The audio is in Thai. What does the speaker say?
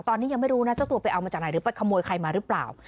ตอนนี้ยังไม่รู้นะเจ้าตัวไปเอามาจากไหนหรือไปขโมยใครมาหรือเปล่า